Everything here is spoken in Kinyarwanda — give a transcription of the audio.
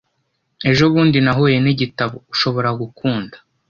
Ejobundi nahuye nigitabo ushobora gukunda.